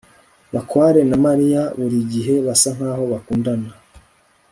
bakware na mariya burigihe basa nkaho bakundana